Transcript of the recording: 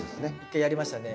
１回やりましたね。